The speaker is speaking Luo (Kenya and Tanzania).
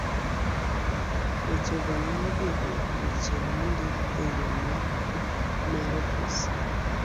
Wechegi nyalo bedo weche mondik e yo ma mar ofis.